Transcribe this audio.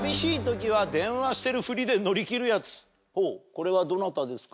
これはどなたですか？